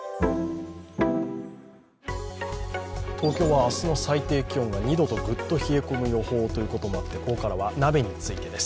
東京は明日の最低気温が２度とグッと冷え込む予報ということでここからは鍋についてです。